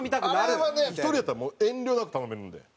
あれはね１人やったらもう遠慮なく頼めるんで。